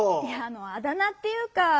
いやあのあだ名っていうか。